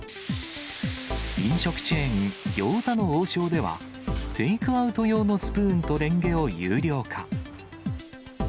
飲食チェーン、餃子の王将では、テイクアウト用のスプーンとレンゲを有料化。